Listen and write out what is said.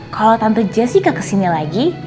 kalau tante jessica kesini lagi